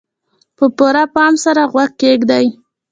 په پوره پام سره غوږ کېږدئ.